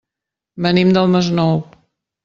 Venim del Masnou.